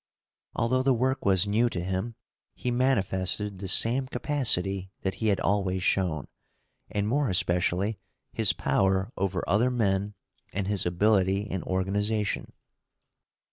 Although the work was new to him, he manifested the same capacity that he had always shown, and more especially his power over other men and his ability in organization.